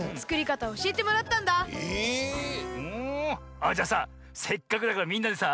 あじゃあさせっかくだからみんなでさ